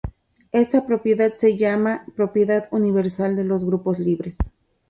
Esta propiedad se llama propiedad universal de los grupos libres.